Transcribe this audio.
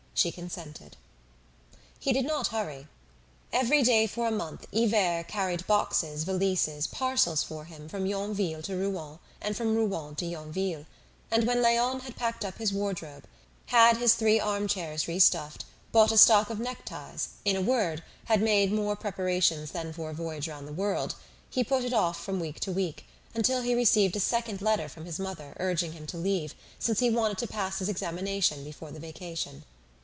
She consented. He did not hurry. Every day for a month Hivert carried boxes, valises, parcels for him from Yonville to Rouen and from Rouen to Yonville; and when Léon had packed up his wardrobe, had his three arm chairs restuffed, bought a stock of neckties, in a word, had made more preparations than for a voyage around the world, he put it off from week to week, until he received a second letter from his mother urging him to leave, since he wanted to pass his examination before the vacation.